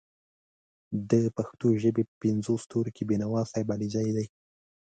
د پښتو ژبې په پینځو ستورو کې بېنوا صاحب علیزی دی